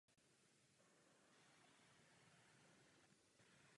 Po jejím úspěšném absolvování je provozovatel definitivně převzal do svého užívání.